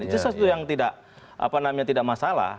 itu sesuatu yang tidak masalah